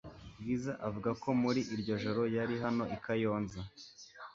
Bwiza avuga ko muri iryo joro yari hano i kayonza